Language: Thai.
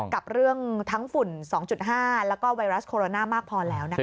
กับเรื่องทั้งฝุ่น๒๕แล้วก็ไวรัสโคโรนามากพอแล้วนะคะ